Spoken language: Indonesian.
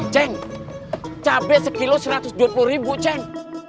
ceng capek sekilo satu ratus dua puluh ribu ceng